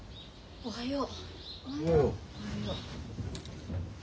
おはよう。